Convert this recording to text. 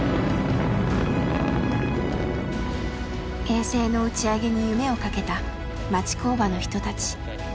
衛星の打ち上げに夢をかけた町工場の人たち。